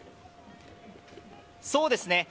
そうですね。